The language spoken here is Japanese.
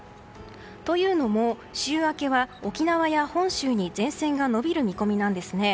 というのも、週明けは沖縄や本州に前線が延びる見込みなんですね。